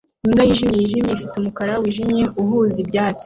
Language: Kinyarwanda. Imbwa yijimye yijimye ifite umukara wijimye uhuza ibyatsi